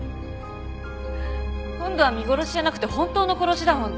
今度は見殺しじゃなくて本当の殺しだもんね。